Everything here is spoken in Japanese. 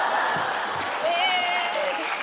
え。